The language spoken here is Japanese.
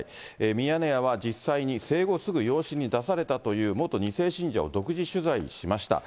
ミヤネ屋は実際に生後すぐ養子に出されたという元２世信者を独自取材しました。